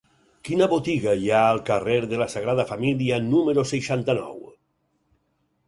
Quina botiga hi ha al carrer de la Sagrada Família número seixanta-nou?